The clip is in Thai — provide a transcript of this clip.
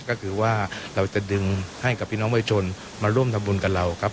ก็คือว่าเราจะดึงให้กับพี่น้องประชาชนมาร่วมทำบุญกับเราครับ